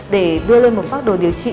để đưa lên một pháp đồ điều trị